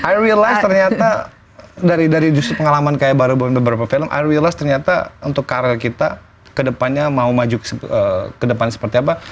i realize ternyata dari justru pengalaman kayak baru beberapa film i realize ternyata untuk karir kita ke depannya mau maju ke depan seperti apa